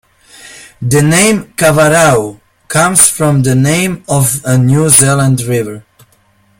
The name "Kawarau" comes from the name of a New Zealand river.